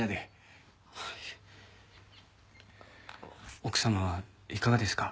奥様はいかがですか？